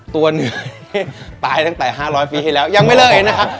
ตัวเนื้อตายตั้งแต่๕๐๐ปีให้แล้วยังไม่เลิกนะครับ